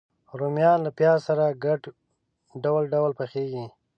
رومیان له پیاز سره ګډ ډول ډول پخېږي